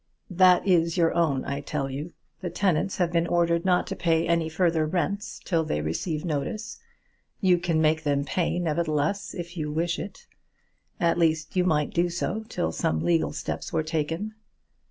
"That is your own, I tell you. The tenants have been ordered not to pay any further rents, till they receive notice. You can make them pay, nevertheless, if you wish it; at least, you might do so, till some legal steps were taken."